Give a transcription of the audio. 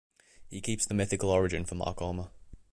He keeps the mythical origin for Marcomer.